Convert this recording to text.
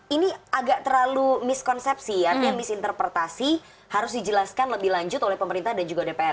ini agak terlalu miskonsepsi artinya misinterpretasi harus dijelaskan lebih lanjut oleh pemerintah dan juga dpr